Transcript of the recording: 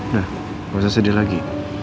nah nggak usah sedih lagi